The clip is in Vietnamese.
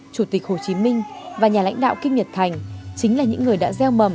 chủ tịch hồ chí minh và nhà lãnh đạo kim nhật thành chính là những người đã gieo mầm